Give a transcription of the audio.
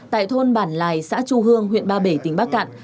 tại thôn bản lài xã chu hương huyện ba bể tỉnh bắc cạn